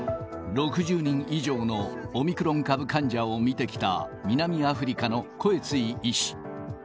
６０人以上のオミクロン株患者を診てきた、南アフリカのコエツィ医師。